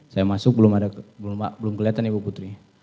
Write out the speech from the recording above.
saya masuk belum kelihatan ibu putri